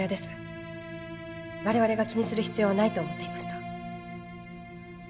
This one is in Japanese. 我々が気にする必要はないと思っていました。